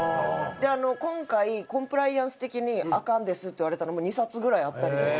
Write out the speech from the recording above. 今回コンプライアンス的にアカンですって言われたのも２冊ぐらいあったりとか。